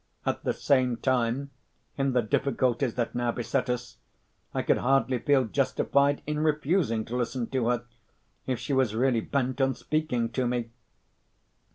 At the same time, in the difficulties that now beset us, I could hardly feel justified in refusing to listen to her, if she was really bent on speaking to me.